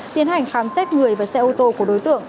tiến hành khám xét người và xe ô tô của đối tượng